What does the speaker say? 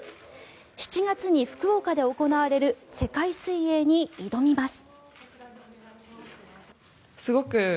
７月に福岡で行われる世界水泳に挑みます。